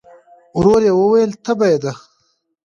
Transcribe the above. ورو يې وویل: تبه يې ده؟